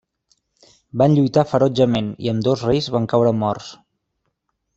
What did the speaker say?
Van lluitar ferotgement, i ambdós reis van caure morts.